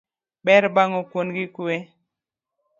Ber bang'o kuon gi kwe.